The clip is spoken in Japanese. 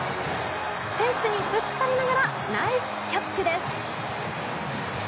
フェンスにぶつかりながらナイスキャッチです。